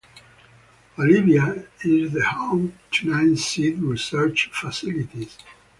Olivia is the home to nine seed research facilities.